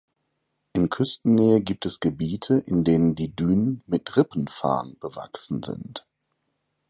In Küstennähe gibt es Gebiete, in denen die Dünen mit Rippenfarn bewachsen sind.